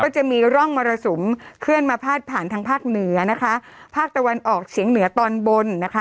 จะมีร่องมรสุมเคลื่อนมาพาดผ่านทางภาคเหนือนะคะภาคตะวันออกเฉียงเหนือตอนบนนะคะ